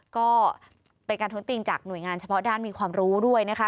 ก็เป็นการท้วงติงจากหน่วยงานเฉพาะด้านมีความรู้ด้วยนะคะ